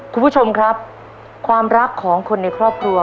คุณผู้ชมครับความรักของคนในครอบครัว